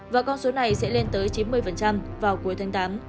và con số này sẽ lên tới chín mươi vào cuối tháng tám